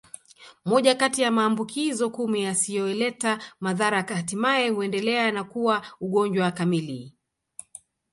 Moja kati ya maambukizo kumi yasiyoleta madhara hatimaye huendelea na kuwa ugonjwa kamili